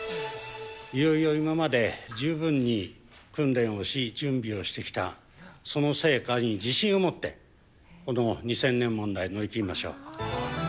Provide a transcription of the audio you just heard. いよいよ今まで十分に訓練をし、準備をしてきた、その成果に自信を持って、この２０００年問題乗り切りましょう。